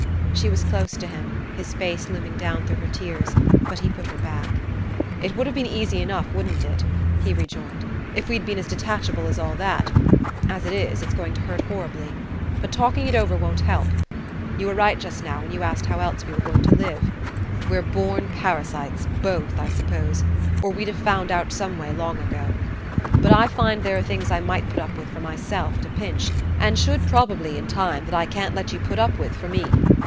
She was close to him, his face looming down through her tears; but he put her back. "It would have been easy enough, wouldn't it," he rejoined, "if we'd been as detachable as all that? As it is, it's going to hurt horribly. But talking it over won't help. You were right just now when you asked how else we were going to live. We're born parasites, both, I suppose, or we'd have found out some way long ago. But I find there are things I might put up with for myself, at a pinch and should, probably, in time that I can't let you put up with for me...